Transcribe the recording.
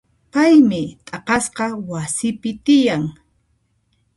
Paymi t'aqasqa wasipi tiyan.